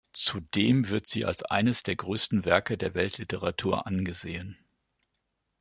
Zudem wird sie als eines der größten Werke der Weltliteratur angesehen.